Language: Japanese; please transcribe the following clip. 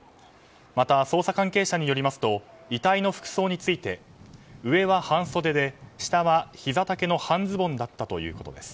また、捜査関係者によりますと遺体の服装について上は半袖で下は、ひざ丈の半ズボンだったということです。